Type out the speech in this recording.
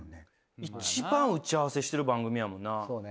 一番打ち合わせしてる番組やもんな。